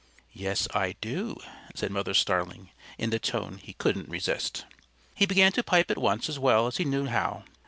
"Yes, I do," said Mother Starling in the tone he couldn't resist. He began to pipe at once as well as he knew how.